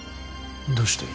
どうして？